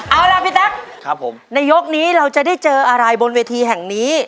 เอาล่ะพี่แต๊กในยกนี้เราจะได้เจออะไรบนเวทีแห่งนี้